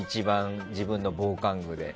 自分の防寒具で。